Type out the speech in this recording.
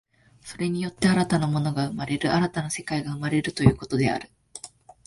それによって新たな物が生まれる、新たな世界が生まれるということである。